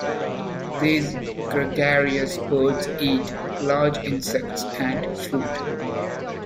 These gregarious birds eat large insects and fruit.